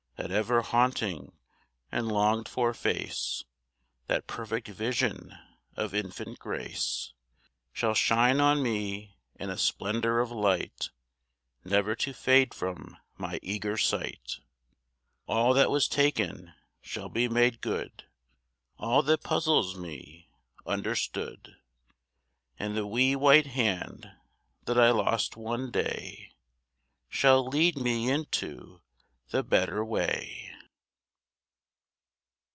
That ever haunting and longed for face, That perfect vision of infant grace, Shall shine on me in a splendor of light, Never to fade from my eager sight. All that was taken shall be made good; All that puzzles me understood; And the wee white hand that I lost, one day, Shall lead me into the Better Way.